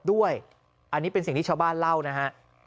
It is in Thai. ด้วยอันนี้เป็นสิ่งที่ชาวบ้านเล่านะฮะ